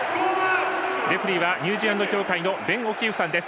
レフリーはニュージーランド協会のベン・オキーフさんです。